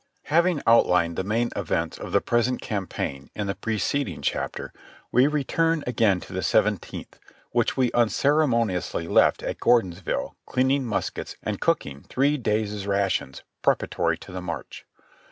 Having outlined tlie main events of the present campaign in the preceding chapter, we return again to the Seventeenth, which we unceremoniously left at Gordonsville cleaning muskets and cook ing three days' rations preparatory to the march.